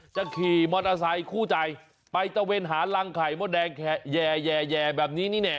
ขี่มอเตอร์ไซคู่ใจไปตะเวนหารังไข่มดแดงแย่แบบนี้นี่แน่